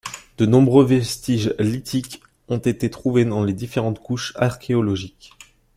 De nombreux vestiges lithiques ont été trouvés dans les différentes couches archéologiques.